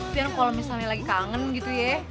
biar kalau misalnya lagi kangen gitu ya